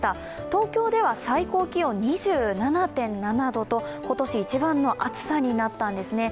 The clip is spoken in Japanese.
東京では、最高気温２７．７度と今年一番の暑さになったんですね。